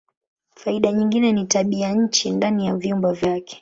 Faida nyingine ni tabianchi ndani ya vyumba vyake.